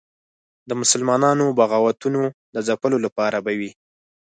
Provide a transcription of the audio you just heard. د مسلمانانو بغاوتونو د ځپلو لپاره به وي.